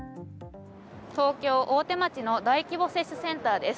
東京・大手町の大規模接種センターです。